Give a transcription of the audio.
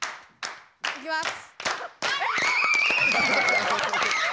いきます！